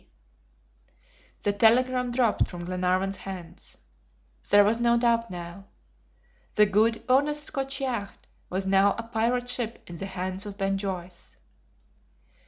B." The telegram dropped from Glenarvan's hands. There was no doubt now. The good, honest Scotch yacht was now a pirate ship in the hands of Ben Joyce!